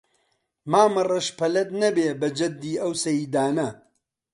مامەڕەش پەلەت نەبێ بە جەددی ئەو سەیدانە